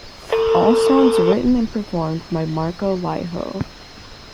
All songs written and performed by Marko Laiho.